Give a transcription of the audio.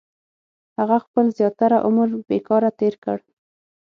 • هغه خپل زیاتره عمر بېکاره تېر کړ.